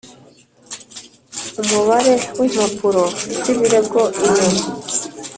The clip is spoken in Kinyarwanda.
umubare w impapuro z ibirego iyo